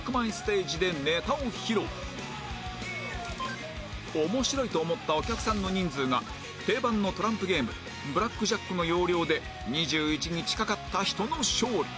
その面白いと思ったお客さんの人数が定番のトランプゲームブラックジャックの要領で２１に近かった人の勝利